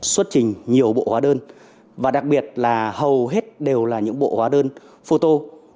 xuất trình nhiều bộ hóa đơn và đặc biệt là hầu hết đều là những bộ hóa đơn photo